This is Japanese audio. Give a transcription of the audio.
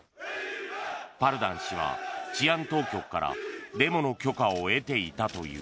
パルダン氏は治安当局からデモの許可を得ていたという。